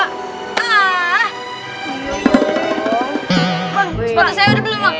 sepati saya udah belum